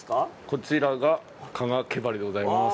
こちらが加賀毛針でございます。